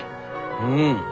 うん。